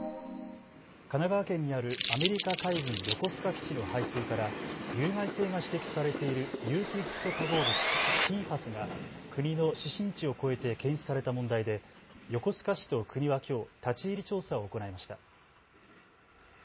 神奈川県にあるアメリカ海軍横須賀基地の排水から有害性が指摘されている有機フッ素化合物、ＰＦＡＳが国の指針値を超えて検出された問題で横須賀市と国はきょう立ち入り調査を行いました。